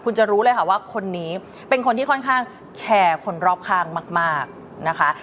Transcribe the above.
คุณจะรู้เลยค่ะว่าคนนี้เป็นคนที่ค่อนข้างแชร์คนรอบข้างมากนะคะ